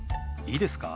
いいですか？